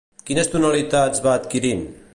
Quines tonalitats va adquirint?